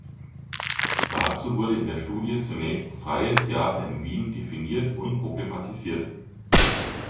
Dazu wurde in der Studie zunächst „freies Theater in Wien“ definiert und problematisiert.